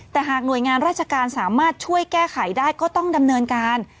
แต่หากหน่วยงานราชการสามารถช่วยแก้ไขได้ก็ต้องดำเนินการ